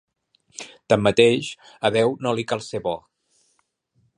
Tanmateix, a Déu no li cal ser "bo".